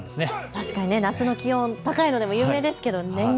確かに夏の気温、高いのでも有名ですけど。